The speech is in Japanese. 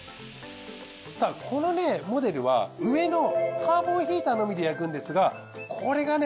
さあこのモデルは上のカーボンヒーターのみで焼くんですがこれがね